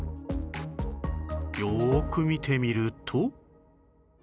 よーく見てみると